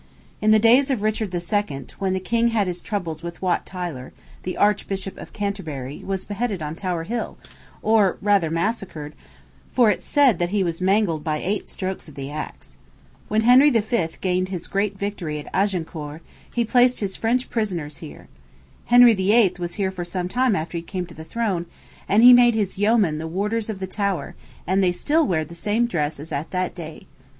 In the days of Richard II., when the king had his troubles with Wat Tyler, the Archbishop of Canterbury was beheaded on Tower Hill, or, rather, massacred, for it said that he was mangled by eight strokes of the axe. When Henry V. gained his great victory at Agincourt, he placed his French prisoners here. Henry VIII. was here for some time after he came to the throne, and he made his yeomen the wardens of the Tower, and they still wear the same dress as at that day.